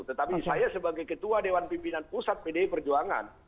tetapi saya sebagai ketua dewan pimpinan pusat pdi perjuangan